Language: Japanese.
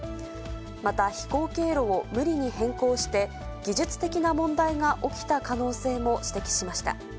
また、飛行経路を無理に変更して、技術的な問題が起きた可能性も指摘しました。